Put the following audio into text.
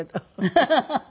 ハハハハ！